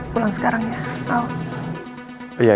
pulang sekarang ya